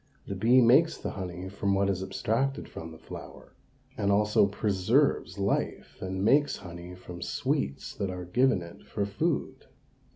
The bee makes the honey from what is abstracted from the flower, and also preserves life and makes honey from sweets that are given it for food.